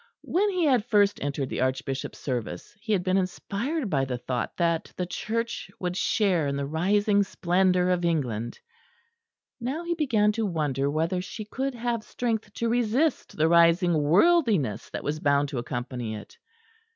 When he had first entered the Archbishop's service he had been inspired by the thought that the Church would share in the rising splendour of England; now he began to wonder whether she could have strength to resist the rising worldliness that was bound to accompany it.